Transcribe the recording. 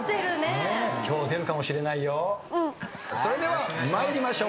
それでは参りましょう。